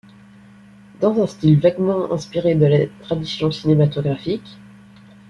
Dans un style vaguement inspiré de la tradition cinématographique,